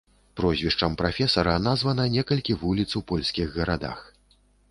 Прозвішчам прафесара названа некалькі вуліц у польскіх гарадах.